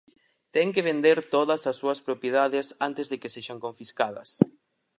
Ten que vender todas as súas propiedades antes de que sexan confiscadas.